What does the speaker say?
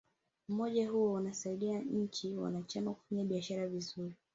umoja huo unasaidia nchi wanachama kufanya biashara vizuri